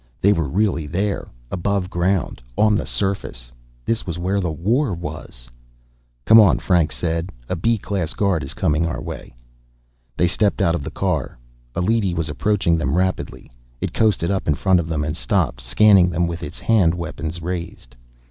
They were really there, above ground, on the surface. This was where the war was. "Come on," Franks said. "A B class guard is coming our way." They stepped out of the car. A leady was approaching them rapidly. It coasted up in front of them and stopped, scanning them with its hand weapon raised.